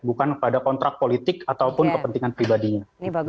bukan pada kontrak politik ataupun kepentingan pribadinya